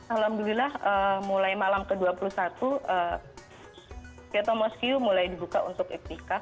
alhamdulillah mulai malam ke dua puluh satu kyoto mosque mulai dibuka untuk itikaf